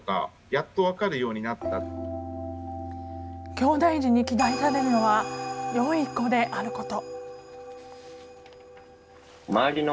きょうだい児に期待されるのはよい子であること。